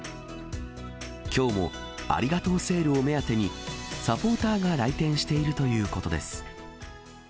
きょうもありがとうセールを目当てに、サポーターが来店しているということです。